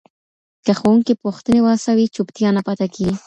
که ښوونکی پوښتني وهڅوي، چوپتیا نه پاته کېږي.